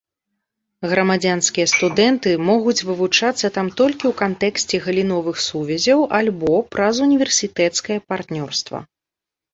Грамадзянскія студэнты могуць вывучацца там толькі ў кантэксце галіновых сувязяў альбо праз універсітэцкае партнёрства.